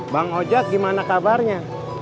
bang hojak gimana kabarnya